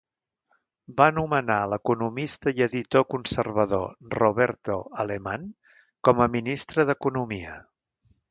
Va nomenar a l'economista i editor conservador Roberto Alemann com a Ministre d'Economia.